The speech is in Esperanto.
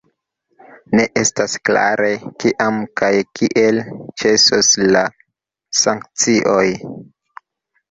Ne estas klare, kiam kaj kiel ĉesos la sankcioj.